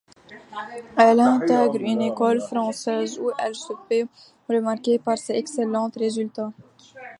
Elle intègre une école française où elle se fait remarquer par ses excellents résultats.